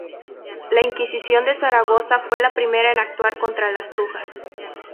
La Inquisición de Zaragoza fue la primera en actuar contra las brujas.